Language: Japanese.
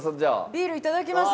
ビールいただきます。